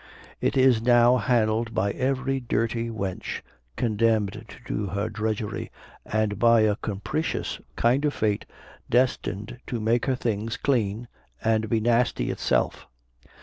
It is now handled by every dirty wench, condemned to do her drudgery, and by a capricious kind of fate, destined to make her things clean, and be nasty itself.